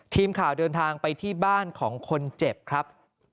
ทีมข่าวเดินทางไปที่บ้านของคนเจ็บครับ